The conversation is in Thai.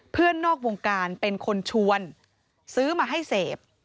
นอกวงการเป็นคนชวนซื้อมาให้เสพ